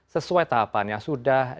sesuai tahapan yang sudah